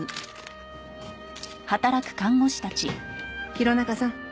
「弘中さん」